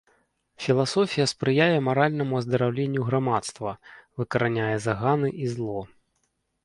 Філасофія спрыяе маральнаму аздараўленню грамадства, выкараняе заганы і зло.